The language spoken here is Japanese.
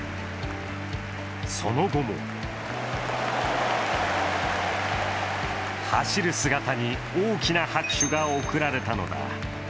その後も走る姿に大きな拍手が送られたのだ。